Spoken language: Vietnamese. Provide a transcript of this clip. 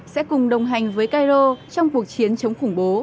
sẽ cùng đồng hành với cairo trong cuộc chiến chống khủng bố